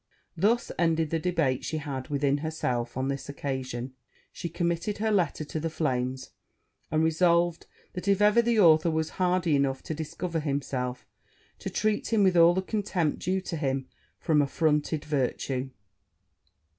Thus ended the debate she had with herself on this occasion: she committed her letter to the flames; and resolved, that if ever the author was hardy enough to discover himself, to treat him with all the contempt due to him from affronted virtue.